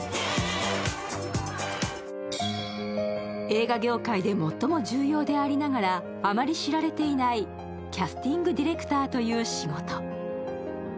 映画業界で最も重要でありながら、あまり知られていないキャスティング・ディレクターという仕事。